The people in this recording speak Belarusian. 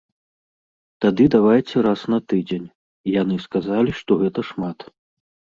Тады давайце раз на тыдзень, яны сказалі, што гэта шмат.